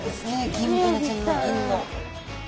ギンブナちゃんの銀の。